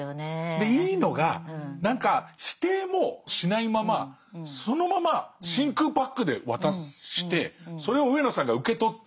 でいいのが何か否定もしないままそのまま真空パックで渡してそれを上野さんが受け取って。